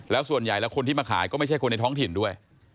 แล้วส่วนใหญ่แล้วคนที่มาขายก็ไม่ใช่คนในท้องถิ่นด้วย